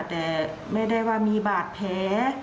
แต่ไม่ได้ว่ามีบาดแผล